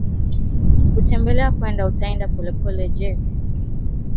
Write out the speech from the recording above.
kutembelea kwenda utaenda kuwa polepole Je mji